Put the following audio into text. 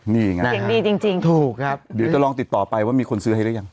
นี่ไงเสียงดีจริงจริงถูกครับเดี๋ยวจะลองติดต่อไปว่ามีคนซื้อให้หรือยัง